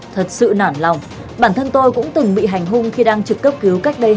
thật sự nản lòng bản thân tôi cũng từng bị hành hung khi đang trực cấp cứu cách đây hai mươi năm